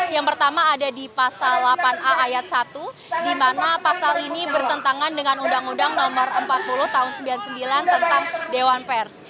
yang pertama ada di pasal delapan a ayat satu di mana pasal ini bertentangan dengan undang undang no empat puluh tahun seribu sembilan ratus sembilan puluh sembilan tentang dewan pers